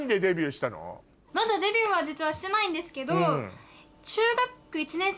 まだデビューは実はしてないんですけど。